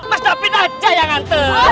mas davin aja ya nganteng